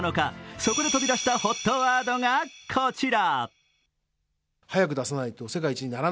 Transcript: そこで飛び出したＨＯＴワードがこちら。